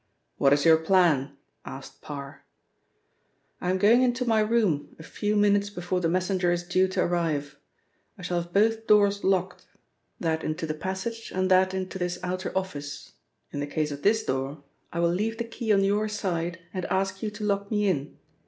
"What is your plan?" asked Parr. "I am going into my room a few minutes before the messenger is due to arrive. I shall have both doors locked, that into the passage and that into this outer office. In the case of this door, I will leave the key on your side and ask you to lock me in.